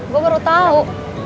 gue baru tau